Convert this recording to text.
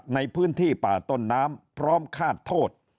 ในพื้นที่ป่าต้นน้ำพร้อมฆาตโทษ